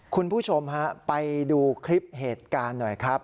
คุณผู้ชมฮะไปดูคลิปเหตุการณ์หน่อยครับ